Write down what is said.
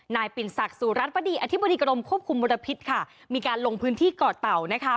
นายปินศักดิ์สุรัสตร์พระดิกรมควบคุมมรพิษค่ะมีการลงพื้นที่เกาะเต่านะคะ